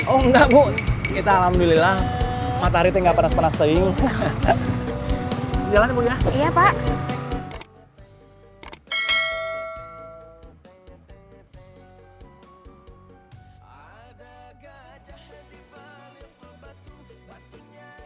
oh enggak bu kita alhamdulillah matahari teh gak panas panas teh ini